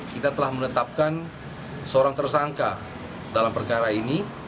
kita telah menetapkan seorang tersangka dalam perkara ini